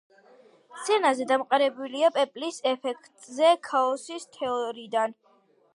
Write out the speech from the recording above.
სცენარი დამყარებულია პეპლის ეფექტზე ქაოსის თეორიიდან.